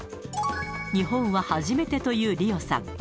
日本は初めてというリオさん。